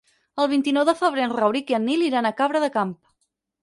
El vint-i-nou de febrer en Rauric i en Nil iran a Cabra del Camp.